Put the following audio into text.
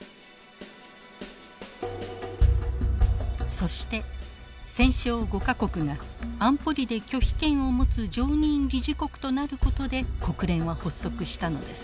そして戦勝５か国が安保理で拒否権を持つ常任理事国となることで国連は発足したのです。